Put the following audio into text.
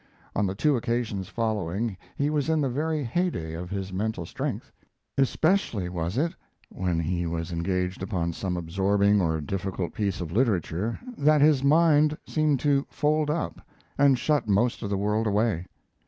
On the two occasions following he was in the very heyday of his mental strength. Especially was it, when he was engaged upon some absorbing or difficult piece of literature, that his mind seemed to fold up and shut most of the world away.